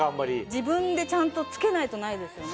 自分でちゃんと付けないとないですよね。